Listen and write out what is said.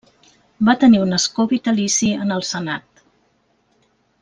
Va tenir un escó vitalici en el Senat.